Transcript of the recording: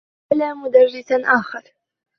سأل مدرّسا آخر.